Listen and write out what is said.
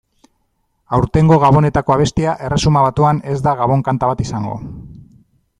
Aurtengo Gabonetako abestia Erresuma Batuan ez da gabon-kanta bat izango.